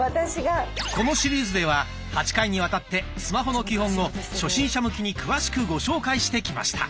このシリーズでは８回にわたってスマホの基本を初心者向きに詳しくご紹介してきました。